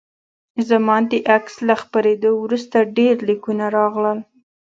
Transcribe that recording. زما د عکس له خپریدو وروسته ډیر لیکونه راغلل